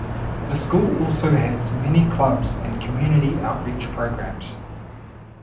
The school also has many clubs and community outreach programs.